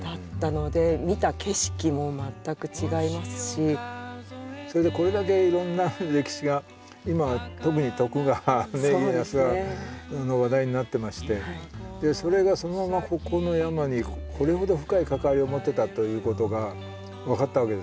どうなんだろうなというそれでこれだけいろんな歴史が今特に徳川家康が話題になってましてそれがそのままここの山にこれほど深い関わりを持ってたということが分かったわけですよね。